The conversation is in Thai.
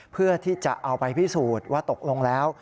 เพื่อที่จะเอาไปพิสูจน์ว่าตกลงแล้ว